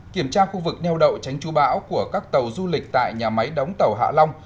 kiểm tra khu vực neo đậu tránh chú bão của các tàu du lịch tại nhà máy đóng tàu hạ long